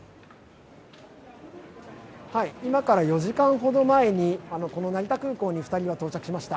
今から４時間ほど前に、この成田空港に２人は到着しました。